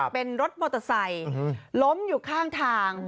เป็นรถมอเตอร์ไซค์ล้มอยู่ข้างทาง